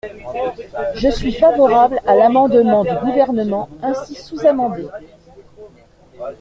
Je suis favorable à l’amendement du Gouvernement ainsi sous-amendé.